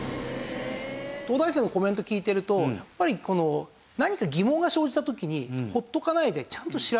東大生のコメント聞いてるとやっぱり何か疑問が生じた時にほっとかないでちゃんと調べると。